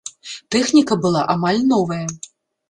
Тэхніка была амаль новая.